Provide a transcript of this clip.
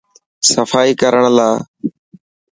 صفائي ڪرڻ لاءِ.